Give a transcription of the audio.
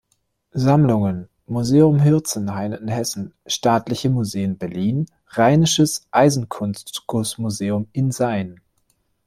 Sammlungen: Museum Hirzenhain in Hessen, Staatliche Museen Berlin, Rheinisches Eisenkunstguss-Museum in Sayn.